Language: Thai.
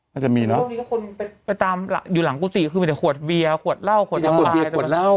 ก็จะมีเนอะตอนนี้ก็คนไปไปตามหลังอยู่หลังกุฏิก็คือมีแต่ขวดเบียร์ขวดเหล้า